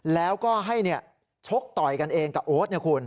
แล้วก็ให้ชกต่อยกันเองกับโอ๊ตนะคุณ